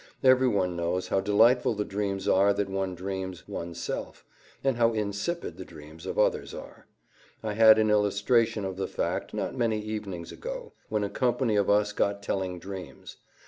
Everyone knows how delightful the dreams are that one dreams one's self, and how insipid the dreams of others are. I had an illustration of the fact, not many evenings ago, when a company of us got telling dreams.